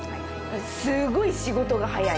すごい仕事が速い。